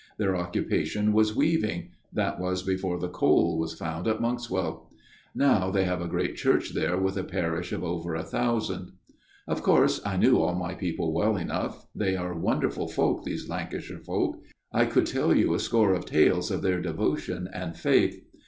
Their occupation was weaving ; that was before the coal was found at Monkswell. Now they have a great church there with a parish of over a thousand. " Of course, I knew all my people well enough ; they are wonderful folk, those Lancashire folk, 174 A MIRROR OF SHALOTT I could tell you a score of tales of their devotion and faith.